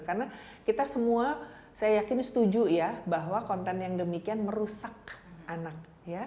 karena kita semua saya yakin setuju ya bahwa konten yang demikian merusak anak